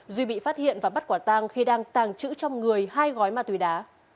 duy bị phát hiện và bắt quả tang khi đang tàng trữ trong người hai gói ma túy đá